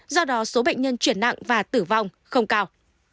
do đó số bệnh nhân chuyển nặng và tử vong không cao